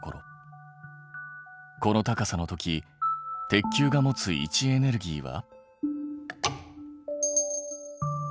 この高さの時鉄球が持つ位置エネルギーは。